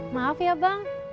maaf ya bang